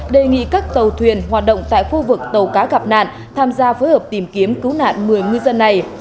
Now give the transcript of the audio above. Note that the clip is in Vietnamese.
đề nghị các tàu thuyền hoạt động tại khu vực tàu cá gặp nạn tham gia phối hợp tìm kiếm cứu nạn một mươi ngư dân này